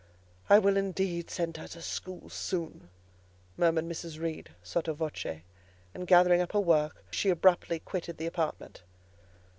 "I will indeed send her to school soon," murmured Mrs. Reed sotto voce; and gathering up her work, she abruptly quitted the apartment.